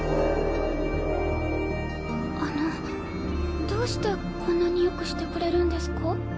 あのどうしてこんなによくしてくれるんですか？